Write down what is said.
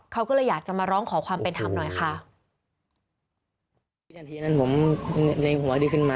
เขาก็เลยอยากจะมาร้องขอความเป็นธรรมหน่อยค่ะ